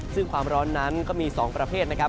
ซึ่งความร้อนนั้นก็มี๒ประเภทนะครับ